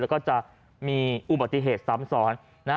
แล้วก็จะมีอุบัติเหตุซ้ำซ้อน